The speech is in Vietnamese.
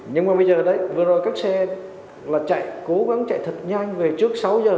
nhưng mà bây giờ đấy vừa rồi các xe là chạy cố gắng chạy thật nhanh về trước sáu giờ